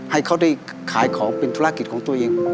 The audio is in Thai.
ให้เขาได้ขายของเป็นธุรกิจของตัวเอง